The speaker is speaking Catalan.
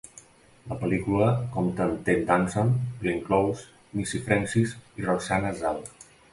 La pel·lícula compta amb Ted Danson, Glenn Close, Missy Francis i Roxana Zal.